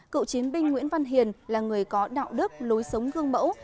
cựu chiến binh nguyễn văn hiền là người có đạo đức lối sống gương mẫu